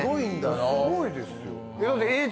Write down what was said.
すごいですよ。